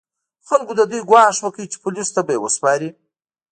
خلکو د دوی ګواښ وکړ چې پولیسو ته به یې وسپاري.